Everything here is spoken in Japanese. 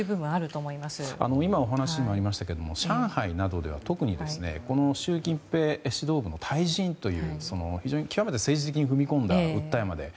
今、お話にもありましたが上海などでは習近平指導部の退陣という極めて政治的に踏み込んだ訴えまで。